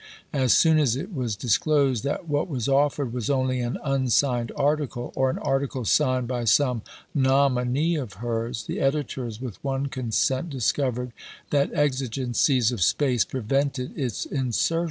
As soon as it was disclosed that what was offered was only an unsigned article, or an article signed by some nominee of hers, the editors, with one consent, discovered that exigencies of space prevented its insertion.